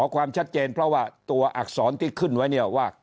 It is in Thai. กร้องอักษรที่ขึ้นไว้ว่า